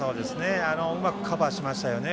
うまくカバーしましたね。